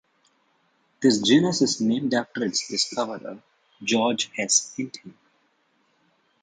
This genus is named after its discoverer George S. Hinton.